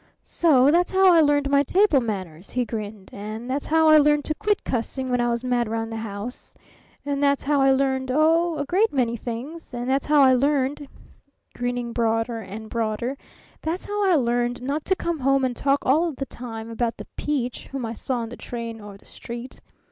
"So that's how I learned my table manners," he grinned, "and that's how I learned to quit cussing when I was mad round the house, and that's how I learned oh, a great many things and that's how I learned " grinning broader and broader "that's how I learned not to come home and talk all the time about the 'peach' whom I saw on the train or the street.